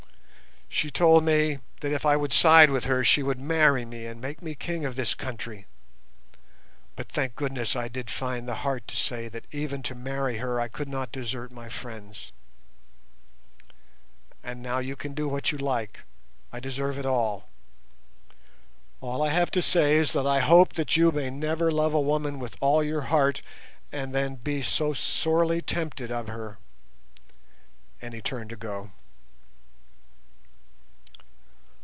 She told me that if I would side with her she would marry me and make me king of this country, but thank goodness I did find the heart to say that even to marry her I could not desert my friends. And now you can do what you like, I deserve it all. All I have to say is that I hope that you may never love a woman with all your heart and then be so sorely tempted of her," and he turned to go.